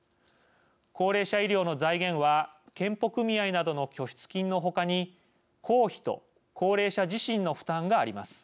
高齢者医療の財源は健保組合などの拠出金の他に公費と高齢者自身の負担があります。